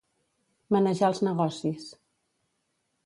Manejar els negocis.